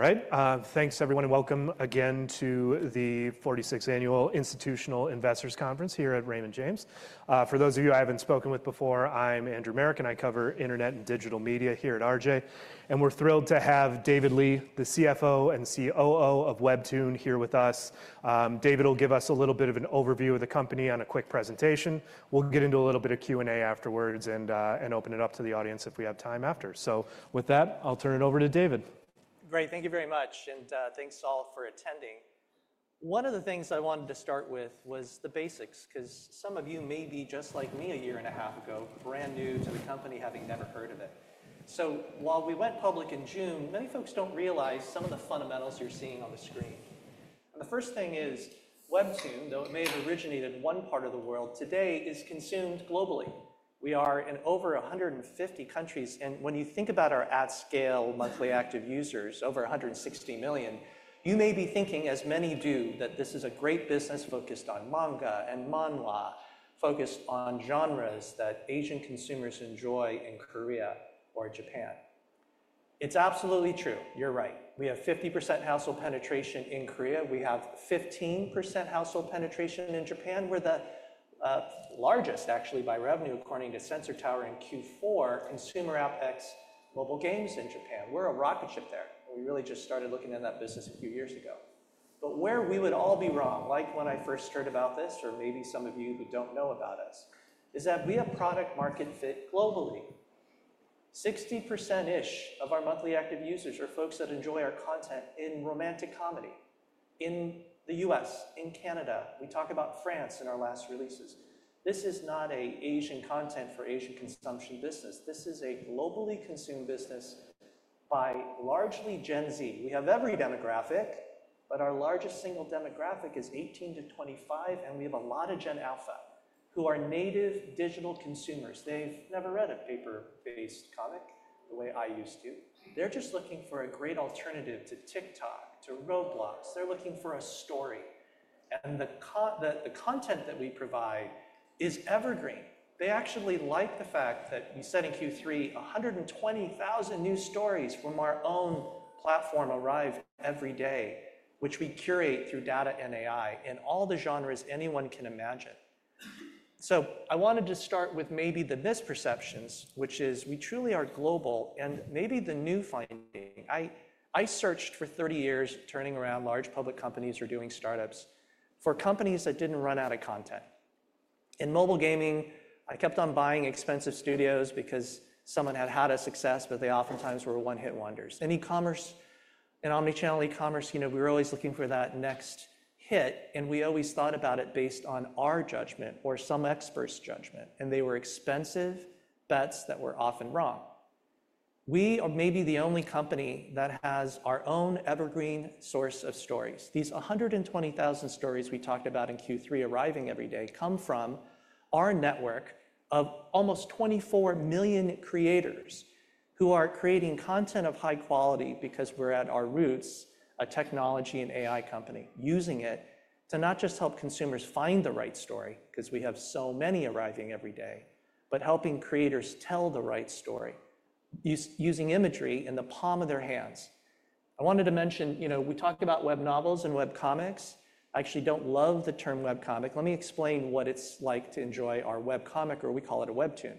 All right. Thanks, everyone, and welcome again to the 46th Annual Institutional Investors Conference here at Raymond James. For those of you I haven't spoken with before, I'm Andrew Merrick, and I cover internet and digital media here at RJ. We're thrilled to have David Lee, the CFO and COO of WEBTOON, here with us. David will give us a little bit of an overview of the company on a quick presentation. We'll get into a little bit of Q&A afterwards and open it up to the audience if we have time after. With that, I'll turn it over to David. Great. Thank you very much. Thank you to all for attending. One of the things I wanted to start with was the basics, because some of you may be just like me a year and a half ago, brand new to the company, having never heard of it. While we went public in June, many folks do not realize some of the fundamentals you are seeing on the screen. The first thing is WEBTOON, though it may have originated in one part of the world, today is consumed globally. We are in over 150 countries. When you think about our at-scale monthly active users, over 160 million, you may be thinking, as many do, that this is a great business focused on Manga and Manhwa, focused on genres that Asian consumers enjoy in Korea or Japan. It is absolutely true. You are right. We have 50% household penetration in Korea. We have 15% household penetration in Japan. We're the largest, actually, by revenue, according to Sensor Tower in Q4, consumer app ex mobile games in Japan. We're a rocket ship there. We really just started looking at that business a few years ago. Where we would all be wrong, like when I first heard about this, or maybe some of you who don't know about us, is that we have product-market fit globally. 60%-ish of our monthly active users are folks that enjoy our content in romantic comedy. In the U.S., in Canada, we talk about France in our last releases. This is not an Asian content for Asian consumption business. This is a globally consumed business by largely Gen Z. We have every demographic, but our largest single demographic is 18 to 25, and we have a lot of Gen Alpha who are native digital consumers. They've never read a paper-based comic the way I used to. They're just looking for a great alternative to TikTok, to Roblox. They're looking for a story. The content that we provide is evergreen. They actually like the fact that we said in Q3, 120,000 new stories from our own platform arrive every day, which we curate through data and AI in all the genres anyone can imagine. I wanted to start with maybe the misperceptions, which is we truly are global. Maybe the new finding, I searched for 30 years turning around large public companies or doing startups for companies that didn't run out of content. In mobile gaming, I kept on buying expensive studios because someone had had a success, but they oftentimes were one-hit wonders. In e-commerce, in omnichannel e-commerce, we were always looking for that next hit. We always thought about it based on our judgment or some expert's judgment. They were expensive bets that were often wrong. We are maybe the only company that has our own evergreen source of stories. These 120,000 stories we talked about in Q3 arriving every day come from our network of almost 24 million creators who are creating content of high quality because we're at our roots, a technology and AI company, using it to not just help consumers find the right story, because we have so many arriving every day, but helping creators tell the right story using imagery in the palm of their hands. I wanted to mention, we talked about web novels and web comics. I actually don't love the term web comic. Let me explain what it's like to enjoy our web comic, or we call it a WEBTOON.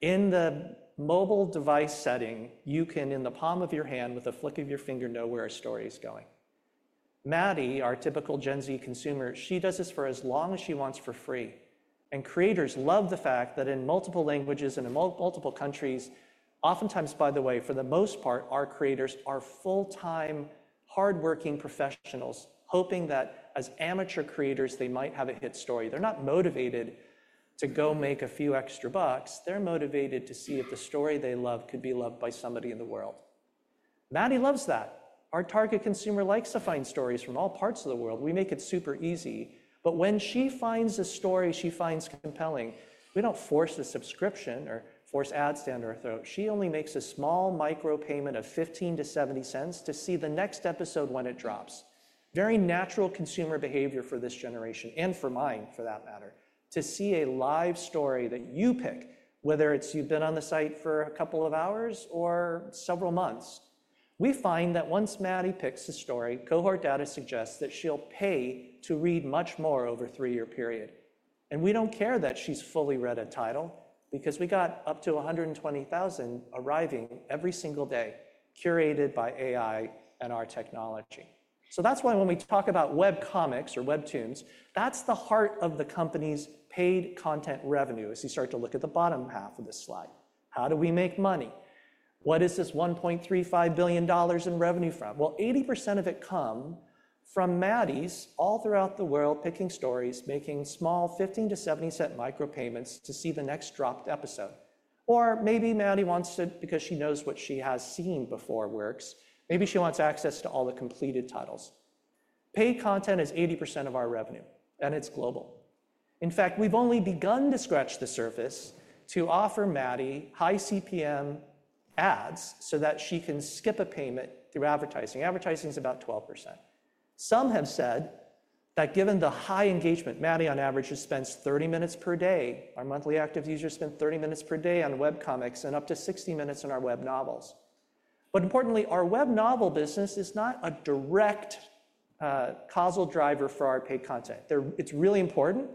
In the mobile device setting, you can, in the palm of your hand, with a flick of your finger, know where a story is going. Maddie, our typical Gen Z consumer, she does this for as long as she wants for free. Creators love the fact that in multiple languages and in multiple countries, oftentimes, by the way, for the most part, our creators are full-time, hardworking professionals hoping that as amateur creators, they might have a hit story. They're not motivated to go make a few extra bucks. They're motivated to see if the story they love could be loved by somebody in the world. Maddie loves that. Our target consumer likes to find stories from all parts of the world. We make it super easy. When she finds a story she finds compelling, we don't force a subscription or force ads down her throat. She only makes a small micro payment of $0.15 to $0.70 to see the next episode when it drops. Very natural consumer behavior for this generation and for mine, for that matter, to see a live story that you pick, whether it's you've been on the site for a couple of hours or several months. We find that once Maddie picks a story, cohort data suggests that she'll pay to read much more over a three-year period. We don't care that she's fully read a title because we got up to 120,000 arriving every single day, curated by AI and our technology. That is why when we talk about web comics or WEBTOON, that's the heart of the company's paid content revenue as you start to look at the bottom half of this slide. How do we make money? What is this $1.35 billion in revenue from? Eighty percent of it comes from Maddies all throughout the world picking stories, making small $0.15-$0.70 micro payments to see the next dropped episode. Or maybe Maddie wants to, because she knows what she has seen before works, maybe she wants access to all the completed titles. Paid content is 80% of our revenue, and it is global. In fact, we have only begun to scratch the surface to offer Maddie high CPM ads so that she can skip a payment through advertising. Advertising is about 12%. Some have said that given the high engagement, Maddie, on average, has spent 30 minutes per day. Our monthly active users spend 30 minutes per day on web comics and up to 60 minutes on our web novels. Importantly, our web novel business is not a direct causal driver for our paid content. It's really important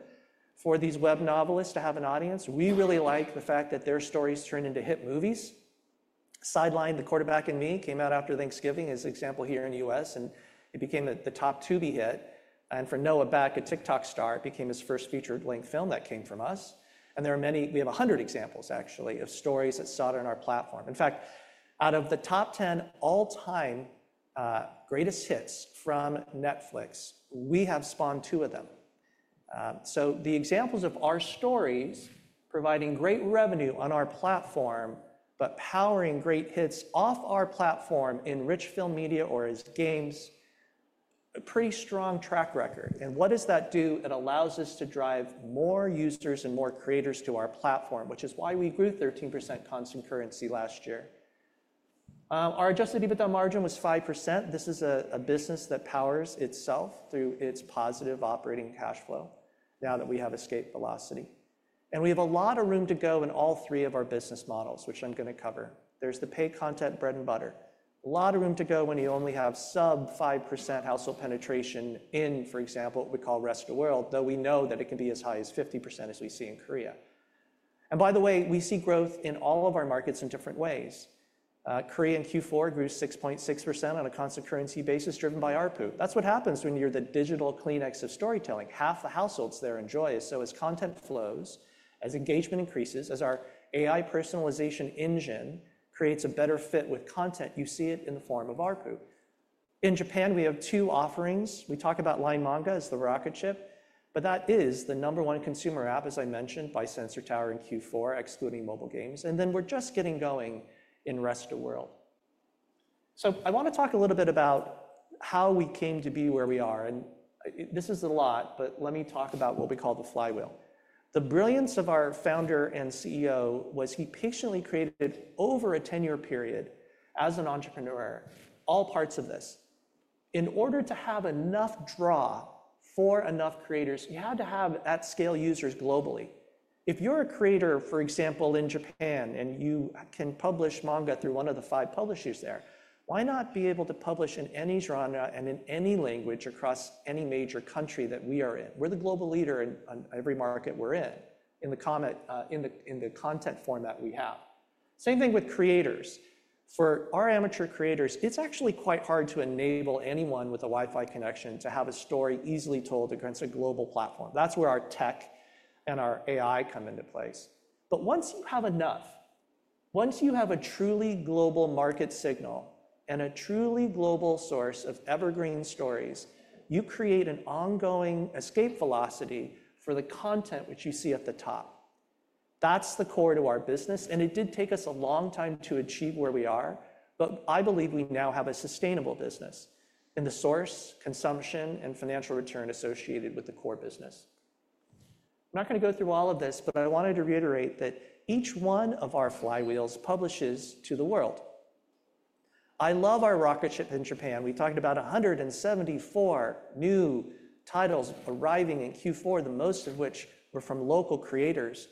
for these web novelists to have an audience. We really like the fact that their stories turn into hit movies. "Sidelined: The Quarterback and Me" came out after Thanksgiving as an example here in the U.S., and it became the top to be hit. For Noah Beck, a TikTok star, it became his first feature-length film that came from us. There are many—we have 100 examples, actually, of stories that saw it on our platform. In fact, out of the top 10 all-time greatest hits from Netflix, we have spawned two of them. The examples of our stories providing great revenue on our platform but powering great hits off our platform in rich film media or as games—a pretty strong track record. What does that do? It allows us to drive more users and more creators to our platform, which is why we grew 13% constant currency last year. Our adjusted EBITDA margin was 5%. This is a business that powers itself through its positive operating cash flow now that we have escaped velocity. We have a lot of room to go in all three of our business models, which I'm going to cover. There is the paid content, bread and butter. A lot of room to go when you only have sub-5% household penetration in, for example, what we call rest of the world, though we know that it can be as high as 50% as we see in Korea. By the way, we see growth in all of our markets in different ways. Korea in Q4 grew 6.6% on a constant currency basis driven by ARPU. That's what happens when you're the digital Kleenex of storytelling. Half the households there enjoy it. As content flows, as engagement increases, as our AI personalization engine creates a better fit with content, you see it in the form of ARPU. In Japan, we have two offerings. We talk about LINE MANGA as the rocket ship, but that is the number one consumer app, as I mentioned, by Sensor Tower in Q4, excluding mobile games. We are just getting going in rest of the world. I want to talk a little bit about how we came to be where we are. This is a lot, but let me talk about what we call the flywheel. The brilliance of our Founder and CEO was he patiently created over a 10-year period as an entrepreneur all parts of this. In order to have enough draw for enough creators, you had to have at-scale users globally. If you're a creator, for example, in Japan, and you can publish manga through one of the five publishers there, why not be able to publish in any genre and in any language across any major country that we are in? We're the global leader in every market we're in in the content format we have. Same thing with creators. For our amateur creators, it's actually quite hard to enable anyone with a Wi-Fi connection to have a story easily told against a global platform. That's where our tech and our AI come into place. Once you have enough, once you have a truly global market signal and a truly global source of evergreen stories, you create an ongoing escape velocity for the content which you see at the top. That's the core to our business. It did take us a long time to achieve where we are, but I believe we now have a sustainable business in the source, consumption, and financial return associated with the core business. I'm not going to go through all of this, but I wanted to reiterate that each one of our flywheels publishes to the world. I love our rocket ship in Japan. We talked about 174 new titles arriving in Q4, the most of which were from local creators.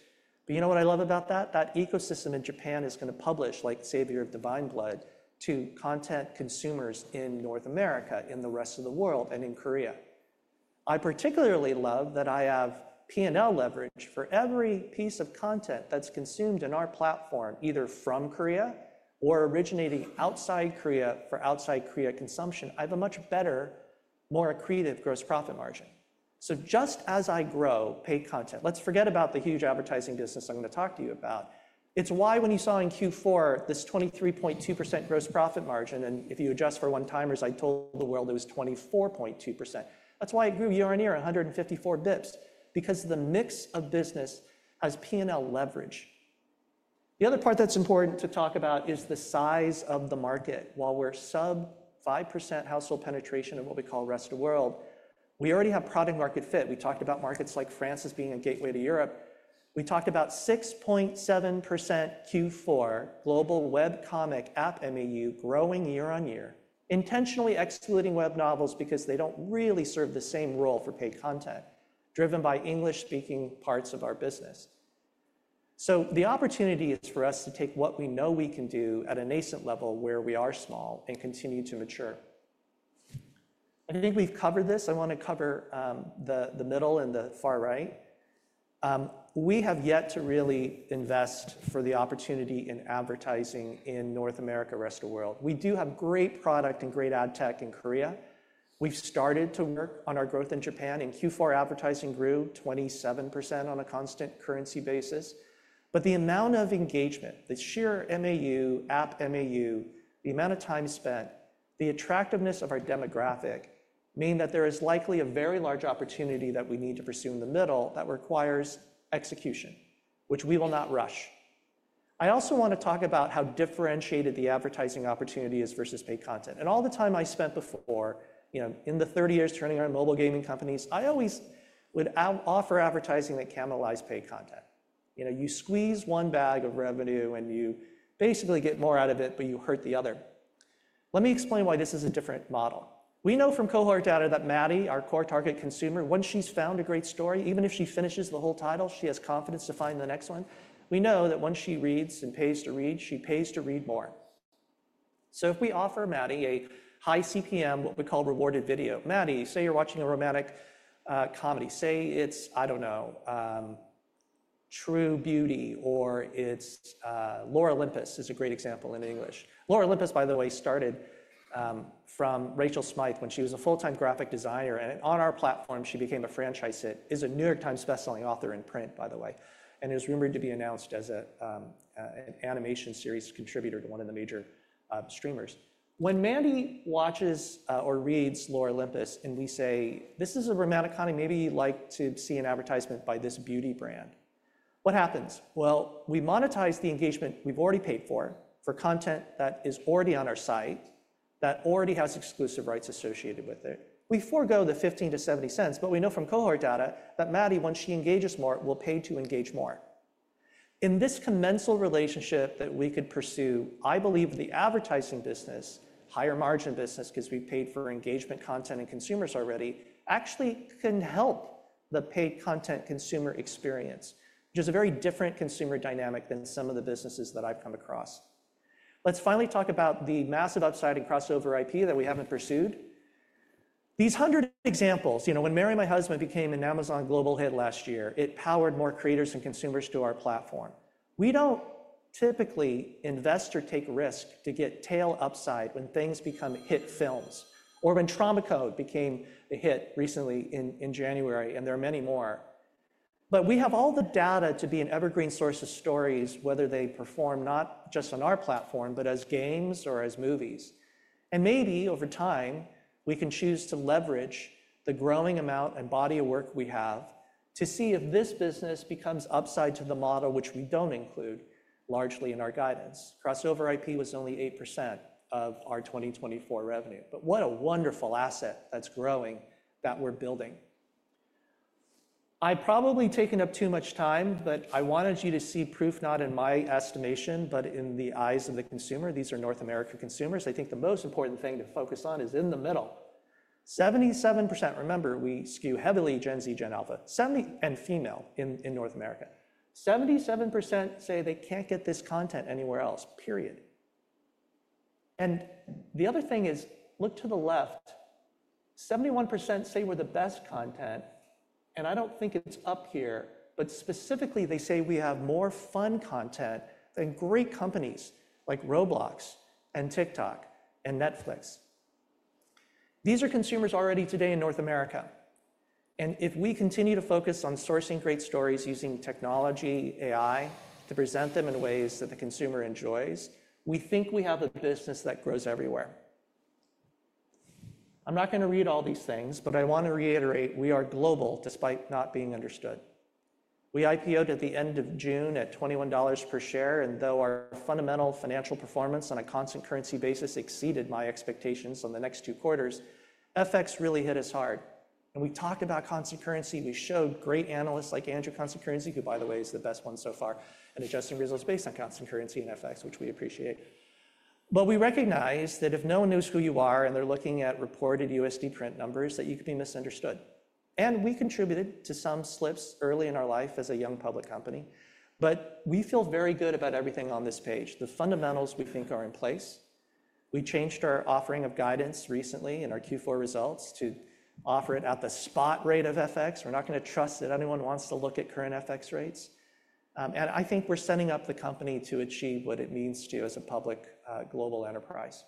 You know what I love about that? That ecosystem in Japan is going to publish like Savior of Divine Blood to content consumers in North America, in the rest of the world, and in Korea. I particularly love that I have P&L leverage for every piece of content that's consumed in our platform, either from Korea or originating outside Korea for outside Korea consumption. I have a much better, more accretive gross profit margin. Just as I grow paid content, let's forget about the huge advertising business I'm going to talk to you about. It's why when you saw in Q4 this 23.2% gross profit margin, and if you adjust for one-timers, I told the world it was 24.2%. That's why it grew year-on-year, 154 bps, because the mix of business has P&L leverage. The other part that's important to talk about is the size of the market. While we're sub-5% household penetration of what we call rest of the world, we already have product-market fit. We talked about markets like France as being a gateway to Europe. We talked about 6.7% Q4 global web comic app MAU growing year-on-year, intentionally excluding web novels because they do not really serve the same role for paid content driven by English-speaking parts of our business. The opportunity is for us to take what we know we can do at a nascent level where we are small and continue to mature. I think we have covered this. I want to cover the middle and the far right. We have yet to really invest for the opportunity in advertising in North America, rest of the world. We do have great product and great ad tech in Korea. We have started to work on our growth in Japan. In Q4, advertising grew 27% on a constant currency basis. The amount of engagement, the sheer MAU, app MAU, the amount of time spent, the attractiveness of our demographic mean that there is likely a very large opportunity that we need to pursue in the middle that requires execution, which we will not rush. I also want to talk about how differentiated the advertising opportunity is versus paid content. All the time I spent before in the 30 years turning around mobile gaming companies, I always would offer advertising that cannibalized paid content. You squeeze one bag of revenue, and you basically get more out of it, but you hurt the other. Let me explain why this is a different model. We know from cohort data that Maddie, our core target consumer, once she's found a great story, even if she finishes the whole title, she has confidence to find the next one. We know that once she reads and pays to read, she pays to read more. If we offer Maddie a high CPM, what we call rewarded video, Maddie, say you're watching a romantic comedy. Say it's, I don't know, True Beauty or it's Lore Olympus is a great example in English. Lore Olympus, by the way, started from Rachel Smythe when she was a full-time graphic designer. On our platform, she became a franchise hit. She is a New York Times bestselling author in print, by the way. It was rumored to be announced as an animation series contributor to one of the major streamers. When Maddie watches or reads Lore Olympus, and we say, this is a romantic comedy, maybe you'd like to see an advertisement by this beauty brand, what happens? We monetize the engagement we've already paid for, for content that is already on our site, that already has exclusive rights associated with it. We forego the $0.15-$0.70, but we know from cohort data that Maddie, once she engages more, will pay to engage more. In this commensal relationship that we could pursue, I believe the advertising business, higher margin business, because we've paid for engagement content and consumers already, actually can help the paid content consumer experience, which is a very different consumer dynamic than some of the businesses that I've come across. Let's finally talk about the massive upside and crossover IP that we haven't pursued. These 100 examples, when Mary My Husband became an Amazon global hit last year, it powered more creators and consumers to our platform. We do not typically invest or take risk to get tail upside when things become hit films or when Trauma Code became a hit recently in January, and there are many more. We have all the data to be an evergreen source of stories, whether they perform not just on our platform, but as games or as movies. Maybe over time, we can choose to leverage the growing amount and body of work we have to see if this business becomes upside to the model, which we do not include largely in our guidance. Crossover IP was only 8% of our 2024 revenue. What a wonderful asset that is growing that we are building. I have probably taken up too much time, but I wanted you to see proof not in my estimation, but in the eyes of the consumer. These are North America consumers. I think the most important thing to focus on is in the middle. 77%, remember, we skew heavily Gen Z, Gen Alpha, and female in North America. 77% say they can't get this content anywhere else, period. The other thing is, look to the left. 71% say we're the best content. I don't think it's up here, but specifically, they say we have more fun content than great companies like Roblox and TikTok and Netflix. These are consumers already today in North America. If we continue to focus on sourcing great stories using technology, AI, to present them in ways that the consumer enjoys, we think we have a business that grows everywhere. I'm not going to read all these things, but I want to reiterate we are global despite not being understood. We IPO'd at the end of June at $21 per share. Though our fundamental financial performance on a constant currency basis exceeded my expectations on the next two quarters, FX really hit us hard. We talked about constant currency. We showed great analysts like Andrew, constant currency, who, by the way, is the best one so far, and adjusting results based on constant currency and FX, which we appreciate. We recognize that if no one knows who you are and they are looking at reported USD print numbers, you could be misunderstood. We contributed to some slips early in our life as a young public company. We feel very good about everything on this page. The fundamentals we think are in place. We changed our offering of guidance recently in our Q4 results to offer it at the spot rate of FX. We are not going to trust that anyone wants to look at current FX rates. I think we're setting up the company to achieve what it means to you as a public global enterprise.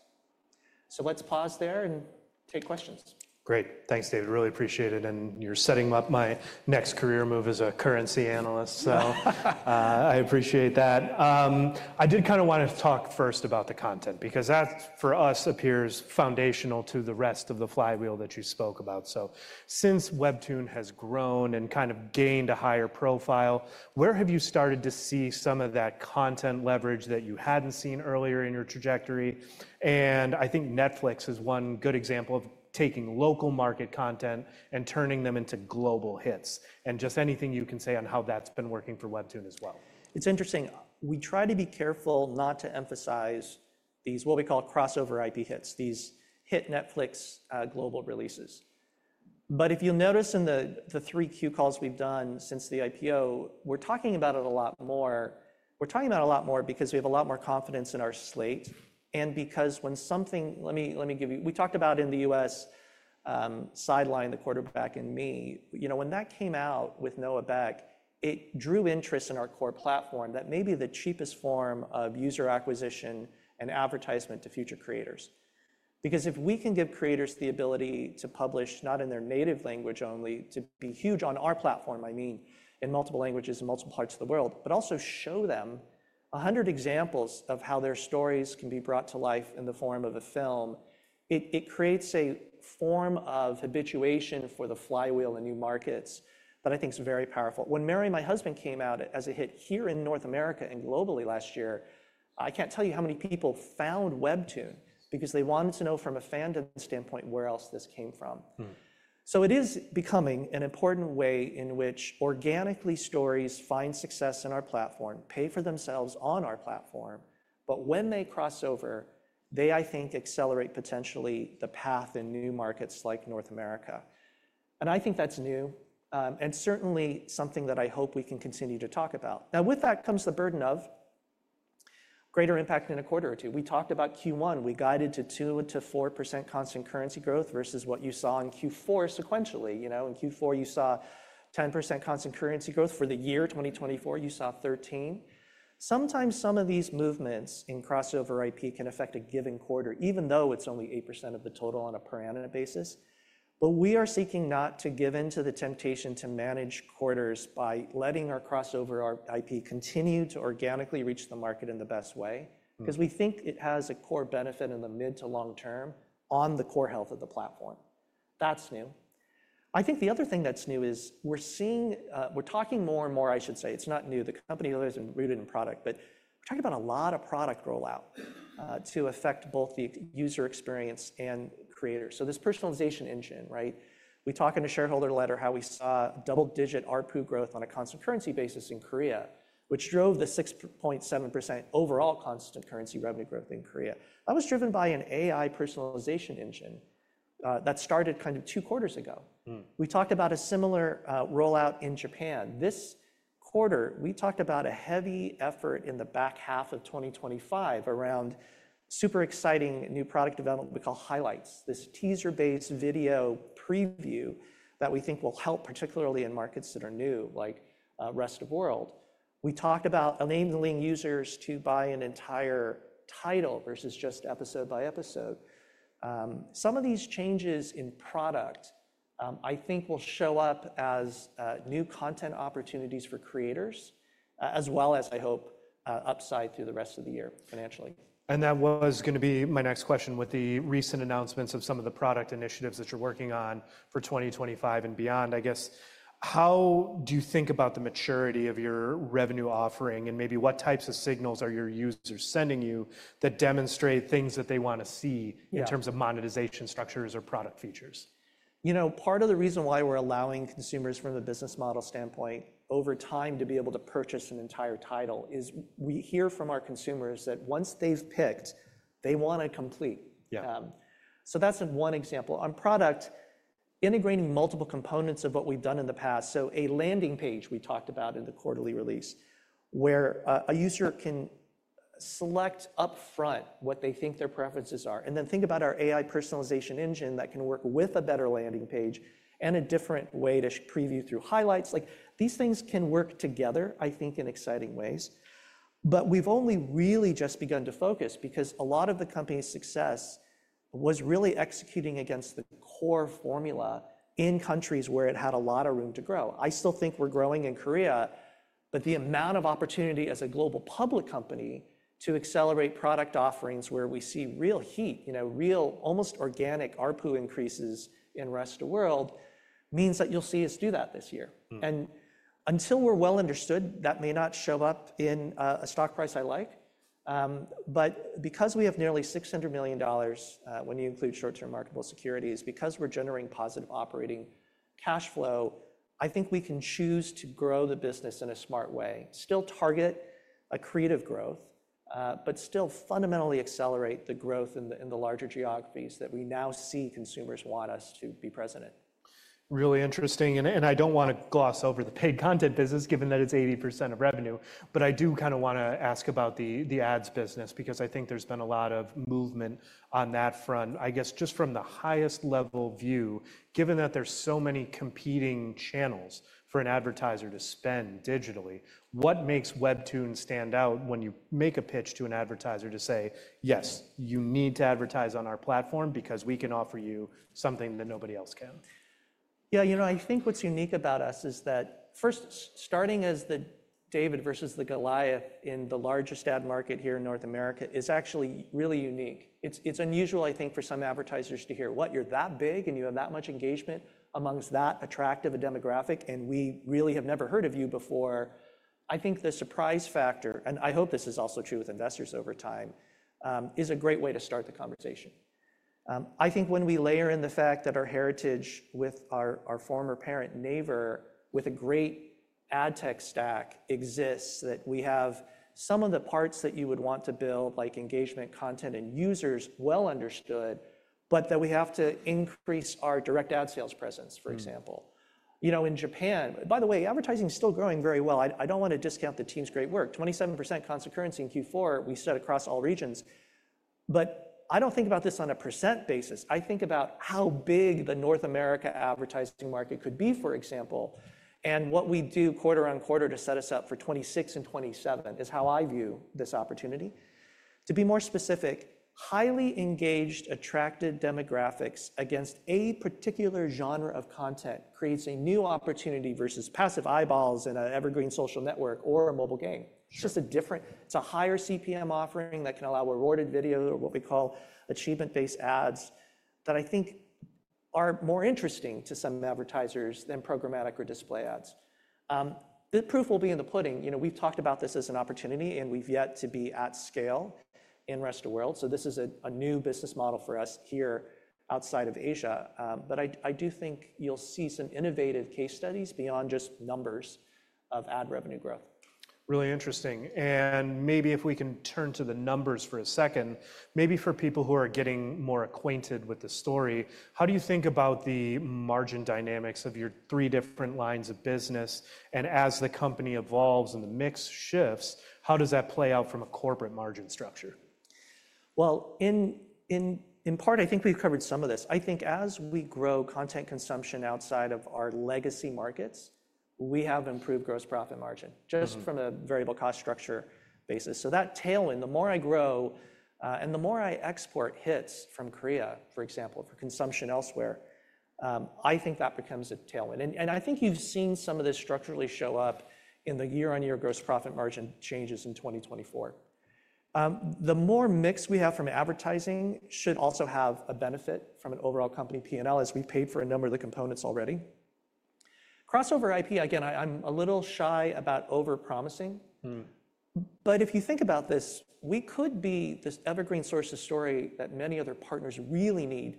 Let's pause there and take questions. Great. Thanks, David. Really appreciate it. You're setting up my next career move as a currency analyst. I appreciate that. I did kind of want to talk first about the content because that for us appears foundational to the rest of the flywheel that you spoke about. Since WEBTOON has grown and kind of gained a higher profile, where have you started to see some of that content leverage that you hadn't seen earlier in your trajectory? I think Netflix is one good example of taking local market content and turning them into global hits. Just anything you can say on how that's been working for WEBTOON as well. It's interesting. We try to be careful not to emphasize these, what we call crossover IP hits, these hit Netflix global releases. If you'll notice in the 3Q calls we've done since the IPO, we're talking about it a lot more. We're talking about it a lot more because we have a lot more confidence in our slate. When something--let me give you--we talked about in the U.S. Sidelined: The Quarterback and Me. You know, when that came out with Noah Beck, it drew interest in our core platform that may be the cheapest form of user acquisition and advertisement to future creators. Because if we can give creators the ability to publish not in their native language only, to be huge on our platform, I mean, in multiple languages in multiple parts of the world, but also show them 100 examples of how their stories can be brought to life in the form of a film, it creates a form of habituation for the flywheel in new markets that I think is very powerful. When Mary My Husband came out as a hit here in North America and globally last year, I can't tell you how many people found WEBTOON because they wanted to know from a fandom standpoint where else this came from. It is becoming an important way in which organically stories find success in our platform, pay for themselves on our platform. When they crossover, they, I think, accelerate potentially the path in new markets like North America. I think that's new and certainly something that I hope we can continue to talk about. Now, with that comes the burden of greater impact in a quarter or two. We talked about Q1. We guided to 2%-4% constant currency growth versus what you saw in Q4 sequentially. In Q4, you saw 10% constant currency growth. For the year 2024, you saw 13%. Sometimes some of these movements in crossover IP can affect a given quarter, even though it's only 8% of the total on a per annum basis. We are seeking not to give in to the temptation to manage quarters by letting our crossover IP continue to organically reach the market in the best way because we think it has a core benefit in the mid to long term on the core health of the platform. That is new. I think the other thing that is new is we are seeing—we are talking more and more, I should say. It is not new. The company is rooted in product, but we are talking about a lot of product rollout to affect both the user experience and creators. This personalization engine, right? We talk in a shareholder letter how we saw double-digit ARPU growth on a constant currency basis in Korea, which drove the 6.7% overall constant currency revenue growth in Korea. That was driven by an AI personalization engine that started kind of two quarters ago. We talked about a similar rollout in Japan. This quarter, we talked about a heavy effort in the back half of 2025 around super exciting new product development we call Highlights, this teaser-based video preview that we think will help particularly in markets that are new like rest of world. We talked about enabling users to buy an entire title versus just episode by episode. Some of these changes in product, I think, will show up as new content opportunities for creators, as well as, I hope, upside through the rest of the year financially. That was going to be my next question with the recent announcements of some of the product initiatives that you're working on for 2025 and beyond. I guess, how do you think about the maturity of your revenue offering and maybe what types of signals are your users sending you that demonstrate things that they want to see in terms of monetization structures or product features? You know, part of the reason why we're allowing consumers from a business model standpoint over time to be able to purchase an entire title is we hear from our consumers that once they've picked, they want to complete. So that's one example. On product, integrating multiple components of what we've done in the past. A landing page we talked about in the quarterly release where a user can select upfront what they think their preferences are. You know, and then think about our AI personalization engine that can work with a better landing page and a different way to preview through Highlights. These things can work together, I think, in exciting ways. We have only really just begun to focus because a lot of the company's success was really executing against the core formula in countries where it had a lot of room to grow. I still think we're growing in Korea, but the amount of opportunity as a global public company to accelerate product offerings where we see real heat, real almost organic ARPU increases in rest of world means that you'll see us do that this year. Until we're well understood, that may not show up in a stock price I like. Because we have nearly $600 million when you include short-term marketable securities, because we're generating positive operating cash flow, I think we can choose to grow the business in a smart way, still target a creative growth, but still fundamentally accelerate the growth in the larger geographies that we now see consumers want us to be present in. Really interesting. I don't want to gloss over the paid content business given that it's 80% of revenue. I do kind of want to ask about the ads business because I think there's been a lot of movement on that front. I guess just from the highest level view, given that there's so many competing channels for an advertiser to spend digitally, what makes WEBTOON stand out when you make a pitch to an advertiser to say, yes, you need to advertise on our platform because we can offer you something that nobody else can? Yeah, you know, I think what's unique about us is that first, starting as the David versus the Goliath in the largest ad market here in North America is actually really unique. It's unusual, I think, for some advertisers to hear what, you're that big and you have that much engagement amongst that attractive a demographic and we really have never heard of you before. I think the surprise factor, and I hope this is also true with investors over time, is a great way to start the conversation. I think when we layer in the fact that our heritage with our former parent neighbor with a great ad tech stack exists that we have some of the parts that you would want to build like engagement content and users well understood, but that we have to increase our direct ad sales presence, for example. You know, in Japan, by the way, advertising is still growing very well. I do not want to discount the team's great work. 27% constant currency in Q4, we said across all regions. I do not think about this on a percent basis. I think about how big the North America advertising market could be, for example, and what we do quarter on quarter to set us up for 2026 and 2027 is how I view this opportunity. To be more specific, highly engaged, attracted demographics against a particular genre of content creates a new opportunity versus passive eyeballs in an evergreen social network or a mobile game. It's just a different, it's a higher CPM offering that can allow rewarded video or what we call achievement-based ads that I think are more interesting to some advertisers than programmatic or display ads. The proof will be in the pudding. You know, we've talked about this as an opportunity and we've yet to be at scale in rest of world. This is a new business model for us here outside of Asia. I do think you'll see some innovative case studies beyond just numbers of ad revenue growth. Really interesting. Maybe if we can turn to the numbers for a second, maybe for people who are getting more acquainted with the story, how do you think about the margin dynamics of your three different lines of business? As the company evolves and the mix shifts, how does that play out from a corporate margin structure? In part, I think we've covered some of this. I think as we grow content consumption outside of our legacy markets, we have improved gross profit margin just from a variable cost structure basis. That tailwind, the more I grow and the more I export hits from Korea, for example, for consumption elsewhere, I think that becomes a tailwind. I think you've seen some of this structurally show up in the year-on-year gross profit margin changes in 2024. The more mix we have from advertising should also have a benefit from an overall company P&L as we paid for a number of the components already. Crossover IP, again, I'm a little shy about overpromising. If you think about this, we could be this evergreen source of story that many other partners really need.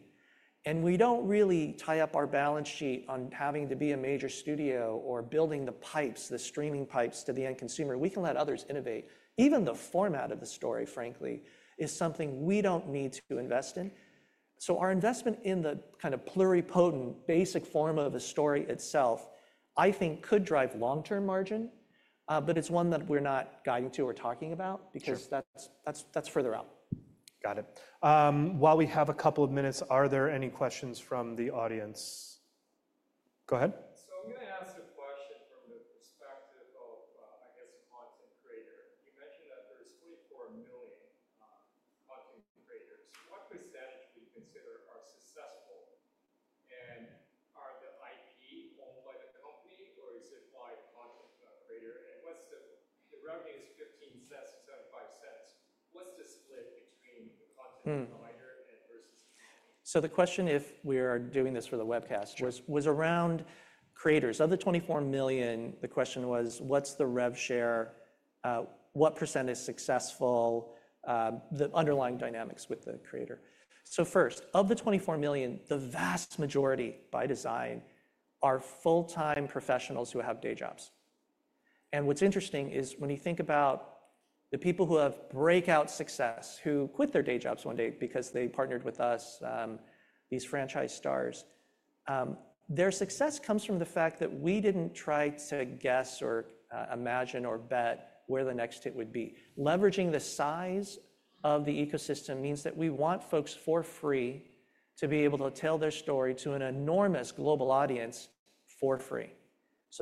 We don't really tie up our balance sheet on having to be a major studio or building the pipes, the streaming pipes to the end consumer. We can let others innovate. Even the format of the story, frankly, is something we don't need to invest in. Our investment in the kind of pluripotent basic form of a story itself, I think, could drive long-term margin, but it's one that we're not guiding to or talking about because that's further out. Got it. While we have a couple of minutes, are there any questions from the audience? Go ahead. I'm going to ask a question from the perspective of, I guess, a content creator. You mentioned that there's 24 million content creators. What percentage would you consider are successful? Are the IP owned by the company or is it by content creator? What's the revenue is $0.15-$0.75? What's the split between the content provider versus the company? The question, if we are doing this for the webcast, was around creators. Of the 24 million, the question was, what's the rev share? What percent is successful? The underlying dynamics with the creator. First, of the 24 million, the vast majority by design are full-time professionals who have day jobs. What's interesting is when you think about the people who have breakout success, who quit their day jobs one day because they partnered with us, these franchise stars, their success comes from the fact that we did not try to guess or imagine or bet where the next hit would be. Leveraging the size of the ecosystem means that we want folks for free to be able to tell their story to an enormous global audience for free.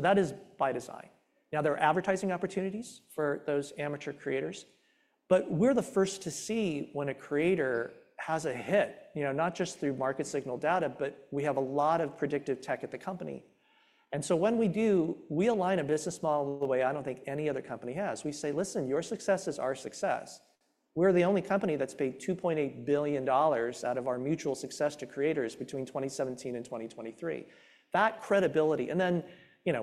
That is by design. There are advertising opportunities for those amateur creators, but we are the first to see when a creator has a hit, not just through market signal data, but we have a lot of predictive tech at the company. When we do, we align a business model the way I do not think any other company has. We say, listen, your success is our success. We're the only company that's paid $2.8 billion out of our mutual success to creators between 2017 and 2023. That credibility.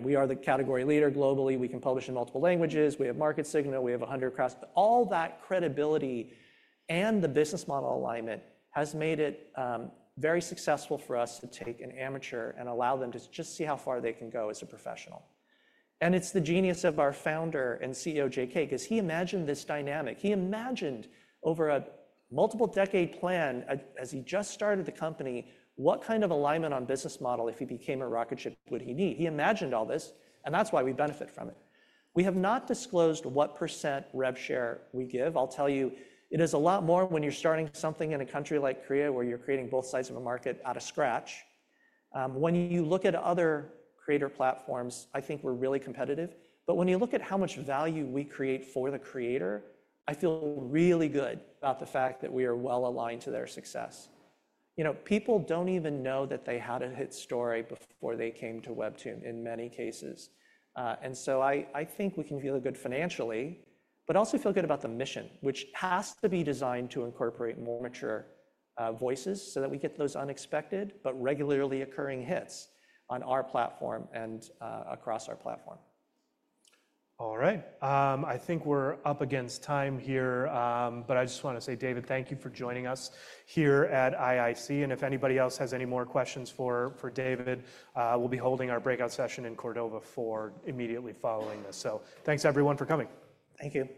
We are the category leader globally. We can publish in multiple languages. We have market signal. We have a hundred crops. All that credibility and the business model alignment has made it very successful for us to take an amateur and allow them to just see how far they can go as a professional. It's the genius of our founder and CEO, JK, because he imagined this dynamic. He imagined over a multiple decade plan as he just started the company, what kind of alignment on business model if he became a rocket ship would he need. He imagined all this, and that's why we benefit from it. We have not disclosed what percent rev share we give. I'll tell you, it is a lot more when you're starting something in a country like Korea where you're creating both sides of a market out of scratch. When you look at other creator platforms, I think we're really competitive. When you look at how much value we create for the creator, I feel really good about the fact that we are well aligned to their success. You know, people do not even know that they had a hit story before they came to WEBTOON in many cases. I think we can feel good financially, but also feel good about the mission, which has to be designed to incorporate more mature voices so that we get those unexpected but regularly occurring hits on our platform and across our platform. All right. I think we're up against time here, but I just want to say, David, thank you for joining us here at IIC. If anybody else has any more questions for David, we'll be holding our breakout session in Cordova immediately following this. Thanks, everyone, for coming. Thank you.